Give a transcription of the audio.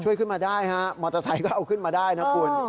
ขึ้นมาได้ฮะมอเตอร์ไซค์ก็เอาขึ้นมาได้นะคุณ